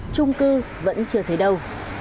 trung cư vẫn chưa thấy đâu